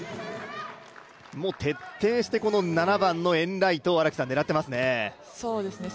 もう徹底して７番のエンライトを狙っていますね。